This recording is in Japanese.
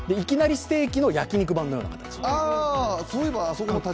ステーキの焼き肉版のような形。